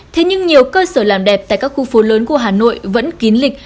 thế nhưng nhiều cơ sở làm đẹp tại các khu phố lớn của hà nội vẫn kín lịch